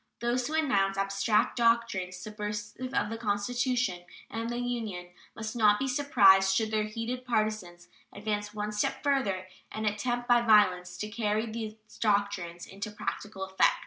Those who announce abstract doctrines subversive of the Constitution and the Union must not be surprised should their heated partisans advance one step further and attempt by violence to carry these doctrines into practical effect.